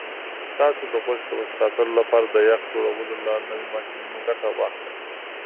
تاسو د غوښې د ساتلو لپاره د یخ جوړولو له نویو ماشینونو ګټه واخلئ.